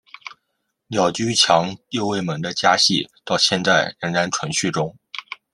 鸟居强右卫门的家系到现在仍然存续中。